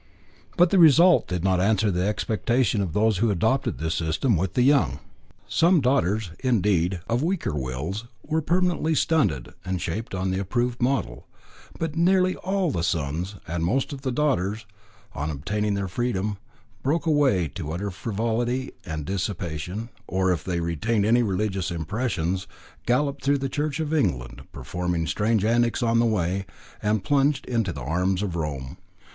But the result did not answer the expectations of those who adopted this system with the young. Some daughters, indeed, of weaker wills were permanently stunted and shaped on the approved model, but nearly all the sons, and most of the daughters, on obtaining their freedom, broke away into utter frivolity and dissipation, or, if they retained any religious impressions, galloped through the Church of England, performing strange antics on the way, and plunged into the arms of Rome.